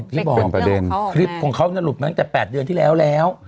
อย่างที่บอกคลิปของเขาก็หลุดมาอันดับ๘เดือนที่แล้วแล้ว